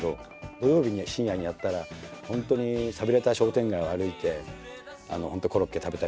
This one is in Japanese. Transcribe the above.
土曜日の深夜にやったら本当に寂れた商店街を歩いて本当コロッケ食べたりなんかして。